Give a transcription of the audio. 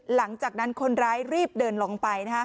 หลังจากนั้นคนร้ายรีบเดินลงไป